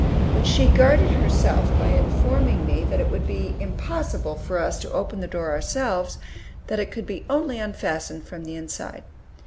But she guarded herself by informing me that it would be impossible for us to open the door ourselves; that it could only be unfastened from the inside.